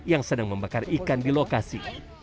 yang sedang membakar ikan di lokasi